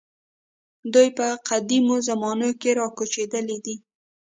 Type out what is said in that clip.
دوی په قدیمو زمانو کې راکوچېدلي دي.